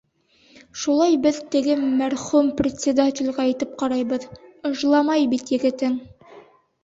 — Шулай беҙ теге мәрхүм председателгә әйтеп ҡарайбыҙ, ыжламай бит егетең.